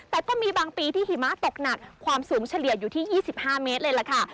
แต่ก็มีบางปีที่หิมะตกหนักความสูงเฉลี่ยอยู่ที่๒๕เมตรเลยล่ะค่ะ